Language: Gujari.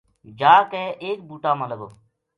جا کے ایک بُوٹا ما لگو